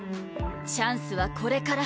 チャンスはこれから。